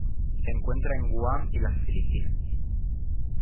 Se encuentra en Guam y las Filipinas.